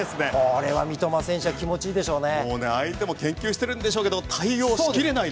三笘選手気持ちいいでしょうね。